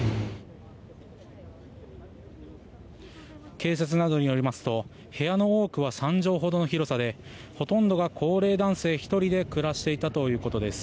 警察などによりますと部屋の多くは３畳ほどの広さでほとんどが高齢男性１人で暮らしていたということです。